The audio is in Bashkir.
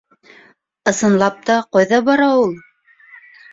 Ысынлап та, ҡайҙа бара ул?